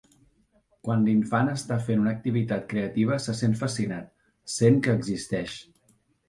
Quan l’infant està fent una activitat creativa se sent fascinat, sent que existeix.